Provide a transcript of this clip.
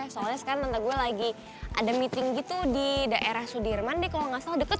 soalnya sekarang gue lagi ada meeting gitu di daerah sudirman deh kalau nggak salah deket